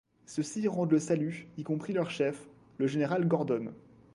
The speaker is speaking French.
Ceux-ci rendent le salut, y compris leur chef, le général Gordon.